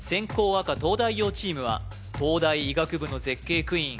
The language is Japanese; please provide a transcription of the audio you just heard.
赤東大王チームは東大医学部の絶景クイーン